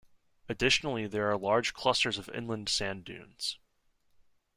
Additionally there are large clusters of inland sand dunes.